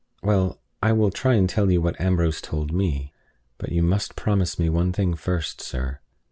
"Well, I will try and tell you what Ambrose told me. But you must promise me one thing first, sir.